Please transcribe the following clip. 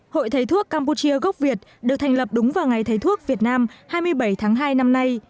hội thầy thuốc campuchia gốc việt được thành lập đúng vào ngày thầy thuốc việt nam hai mươi bảy tháng hai năm nay